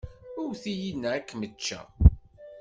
Awwet-iyi neɣ ad kem-ččeɣ.